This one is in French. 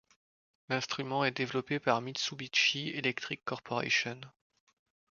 L'instrument est développé par Mitsubishi Electric Corporation.